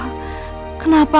kenapa aku ingin menang